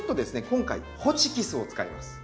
今回ホチキスを使います。